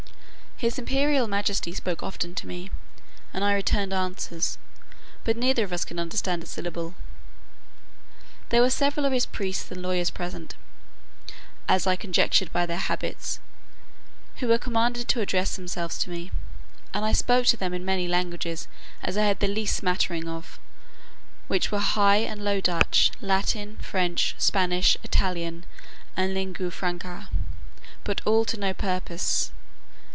His imperial majesty spoke often to me, and I returned answers: but neither of us could understand a syllable. There were several of his priests and lawyers present (as I conjectured by their habits), who were commanded to address themselves to me; and I spoke to them in as many languages as I had the least smattering of, which were High and Low Dutch, Latin, French, Spanish, Italian, and Lingua Franca, but all to no purpose.